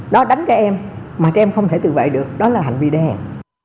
nó đánh cho em mà cho em không thể tự vệ được đó là hành vi đê hèn